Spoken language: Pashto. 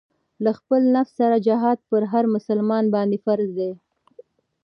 له خپل نفس سره جهاد پر هر مسلمان باندې فرض دی.